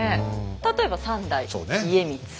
例えば３代家光。